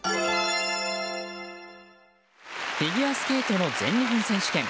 フィギュアスケートの全日本選手権。